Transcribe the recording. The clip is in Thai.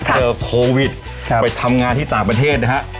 เจอโควิดไปทำงานที่ต่างประเทศนะฮะ